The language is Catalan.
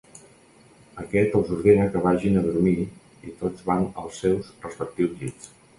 Aquest els ordena que vagin a dormir i tots van als seus respectius llits.